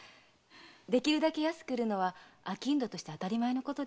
できるだけ安く売るのは商人として当たり前のことです。